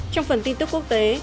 trong phần tin tức quốc tế